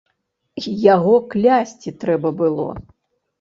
Яго клясці трэба было!